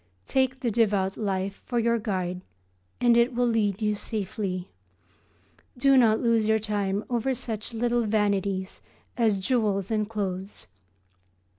Take the Devout Life for your guide and it will lead you safely. Do not lose your time over such little vanities as jewels and clothes.